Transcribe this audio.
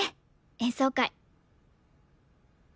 演奏会。